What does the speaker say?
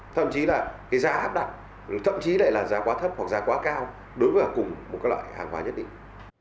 thậm chí là cái giá hấp đặt thậm chí lại là giá quá thấp hoặc giá quá cao đối với cùng một loại hàng hóa nhất định